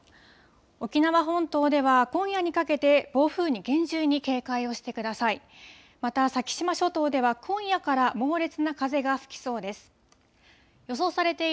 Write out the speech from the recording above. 沖縄本島では今夜にかけて暴風に厳重に警戒をしてください。